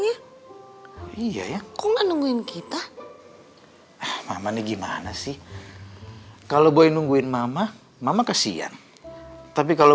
iya ya kok nggak nungguin kita hai ah mana gimana sih kalau boy nungguin mama mama kesian tapi kalau